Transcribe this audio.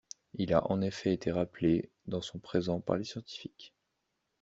Il a en effet été rappelé dans son présent par les scientifiques.